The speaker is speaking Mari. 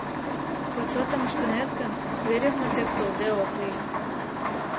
Почетым ыштынет гын, Зверевмыт дек толде ок лий.